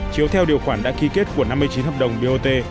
chiếu theo điều khoản đã ký kết của năm mươi chín hợp đồng bot